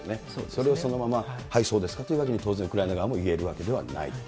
それをそのまま、はいそうですかと、当然ウクライナ側も言えるわけではないと。